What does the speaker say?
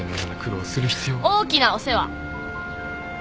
大きなお世話。